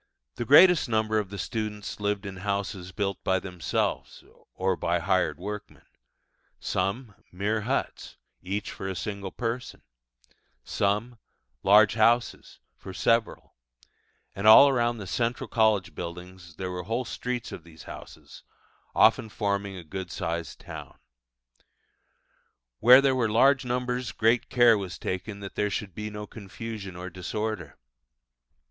The greatest number of the students lived in houses built by themselves, or by hired workmen some, mere huts, each for a single person; some, large houses, for several: and all around the central college buildings there were whole streets of these houses, often forming a good sized town. Where there were large numbers great care was taken that there should be no confusion or disorder.